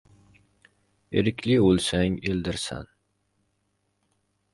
Erkli o‘lsang, erdirsan